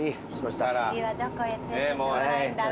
次はどこへ連れてってもらえんだろ。